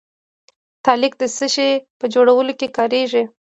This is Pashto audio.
تالک د څه شي په جوړولو کې کاریږي؟